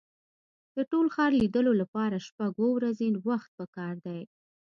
د ټول ښار لیدلو لپاره شپږ اوه ورځې وخت په کار دی.